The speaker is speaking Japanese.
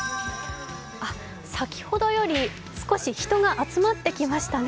先ほどより少し人が集まってきましたね。